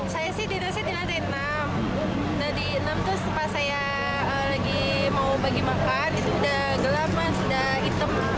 saya sih di lantai enam di lantai enam terus pas saya lagi mau bagi makan itu udah gelap udah hitam